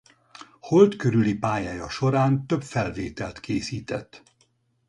Hold körüli pályája során több felvételt készített.